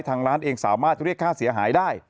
ทางร้านเองสามารถเรียกค่าเสียหายได้